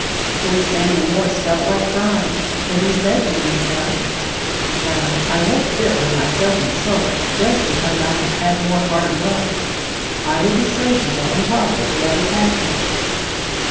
Poor Samuel Morse felt like crying, but he said to himself: "Well, I won't sit by myself and sulk just because I have had more hard luck. I will be sociable and talk with the other passengers."